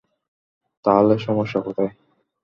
তাহলে সমস্যা কোথায়?